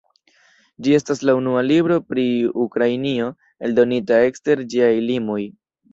Ĝi estas la unua libro pri Ukrainio, eldonita ekster ĝiaj limoj.